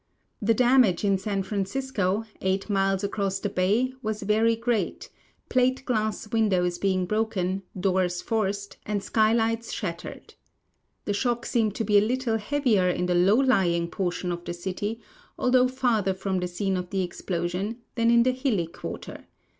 The damage in San Francisco, eight miles across the bay, was very great, ])late glass windows being broken, doors forced, and sky lights shattered. Tne shock seemed to be a little heavier in the low lying portion of the city, although farther from the scene of the explosion, than in the hilly (piarter.